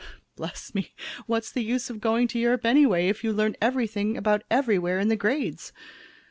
Bless me, what's the use of going to Europe anyway, if you learn everything about everywhere in the grades?